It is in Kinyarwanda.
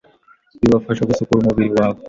bibafasha gusukura umubiri wawe